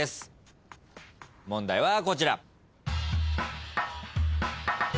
問題はこちら。